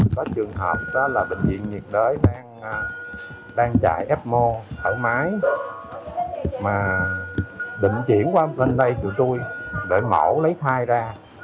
có trường hợp đó là bệnh viện nhiệt đới đang chạy fmo thở máy mà định chuyển qua bên đây tụi tôi để mẫu lấy thai ra